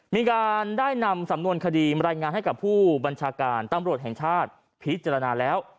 มีการได้นำสำนวนคดีมารายงานให้กับผู้บัญชาการตำรวจแห่งชาติพิจารณาแล้ว